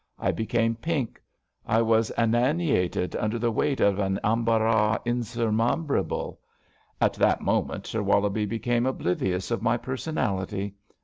I became pink. I was aneantied under the weight of an embarras insubrimable. At that moment Sir Wollobie became oblivious of my personality.